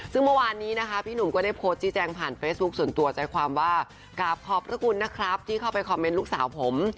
ซึ่งเมื่อวานนี้นะคะพี่หนุ่มก็ได้โพสต์ชี้แจงผ่านเฟซบุ๊คส่วนตัวใจความว่ากราบขอบพระคุณนะครับที่เข้าไปคอมเมนต์ลูกสาวผม